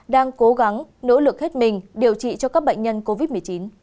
đang cố gắng nỗ lực hết mình điều trị cho các bệnh nhân covid một mươi chín